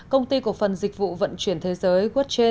công ty cộng phần dịch vụ vận chuyển thế giới